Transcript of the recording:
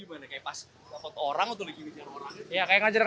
sebenarnya gimana pas dapat orang atau dikirimkan orang